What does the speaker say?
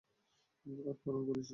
আর পানও করেছিস।